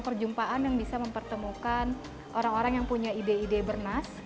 ini adalah kesempatan yang bisa mempertemukan orang orang yang punya ide ide bernas